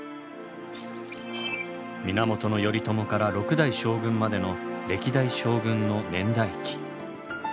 源頼朝から６代将軍までの歴代将軍の年代記。